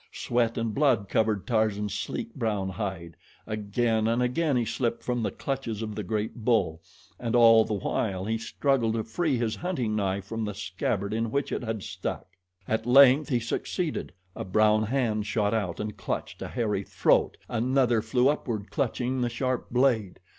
Sweat and blood covered Tarzan's sleek, brown hide. Again and again he slipped from the clutches of the great bull, and all the while he struggled to free his hunting knife from the scabbard in which it had stuck. At length he succeeded a brown hand shot out and clutched a hairy throat, another flew upward clutching the sharp blade.